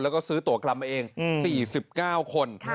แล้วก็ซื้อตัวกรรมมาเอง๔๙คน